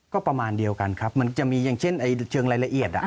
ก็ประมาณเดียวกันครับมันจะมีอย่างเช่นเชิงรายละเอียด